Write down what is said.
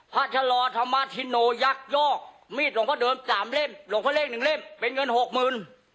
พระชะลอธมาธิโนยักษ์ยอกมีดหลงพระเดิน๓เล่มหลงพระเล่น๑เล่มเป็นเงิน๖๐๐๐๐